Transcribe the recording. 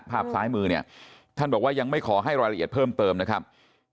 ภาพซ้ายมือเนี่ยท่านบอกว่ายังไม่ขอให้รายละเอียดเพิ่มเติมนะครับ